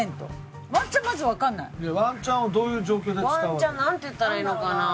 ワンチャンなんて言ったらいいのかな？